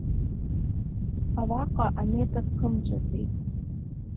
Араҟа аметр ԥымҵәаӡеит.